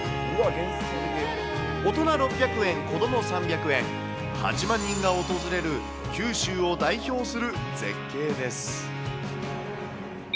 大人６００円、子ども３００円、８万人が訪れる九州を代表する絶景です。